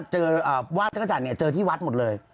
วาดจักรจันทร์เจอที่วัดหมดเลย